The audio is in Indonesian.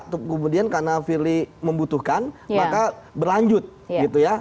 kemudian karena firly membutuhkan maka berlanjut gitu ya